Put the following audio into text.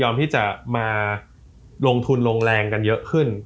ที่จะมาลงทุนลงแรงกันเยอะขึ้น